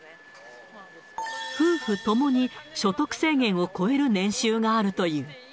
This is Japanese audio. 夫婦ともに、所得制限を超える年収があるという。